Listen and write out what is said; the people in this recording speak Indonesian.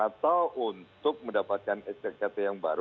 atau untuk mendapatkan stkt yang baru